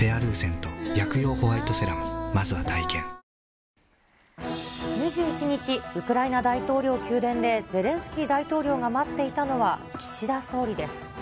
２１日、２１日、ウクライナ大統領宮殿でゼレンスキー大統領が待っていたのは、岸田総理です。